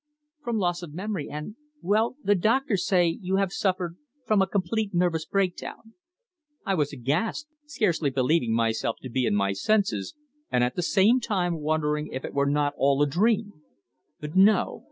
"From loss of memory, and well, the doctors say you have suffered from a complete nervous breakdown." I was aghast, scarce believing myself to be in my senses, and at the same time wondering if it were not all a dream. But no!